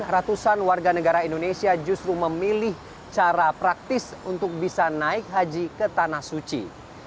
ratusan warga negara indonesia justru memilih cara praktis untuk bisa naik haji ke tanah suci